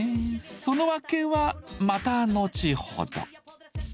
その訳はまた後ほど。